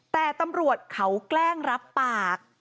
แต่ตำรวจเขาแกล้งรับปาก